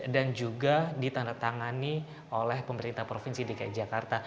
dan juga ditandatangani oleh pemerintah provinsi dki jakarta